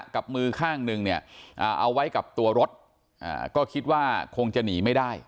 กับมือข้างหนึ่งเนี่ยเอาไว้กับตัวรถก็คิดว่าคงจะหนีไม่ได้